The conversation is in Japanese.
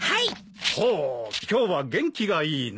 ほお今日は元気がいいな。